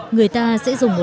người ta sẽ dùng một ngôi nhà